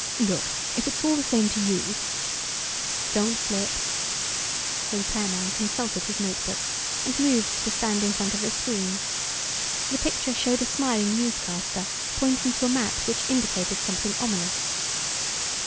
"Look, if it's all the same to you...." "Don't flip." The repairman consulted his notebook, and moved to stand in front of the screen. The picture showed a smiling newscaster, pointing to a map which indicated something ominous.